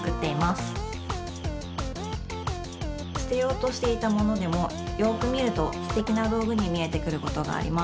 すてようとしていたものでもよくみるとすてきなどうぐにみえてくることがあります。